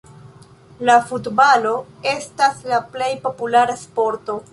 La futbalo estas la plej populara sporto.